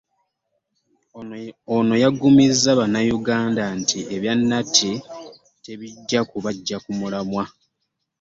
Ono yagumizza bannayuganda nti ebya natti tebijja kubaggya ku mulamwa.